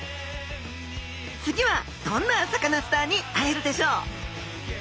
次はどんなサカナスターに会えるでしょう？